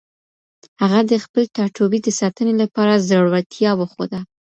هغه د خپل ټاټوبي د ساتنې لپاره زړورتیا وښوده.